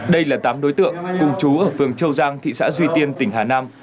đây là tám đối tượng cùng chú ở phường châu giang thị xã duy tiên tỉnh hà nam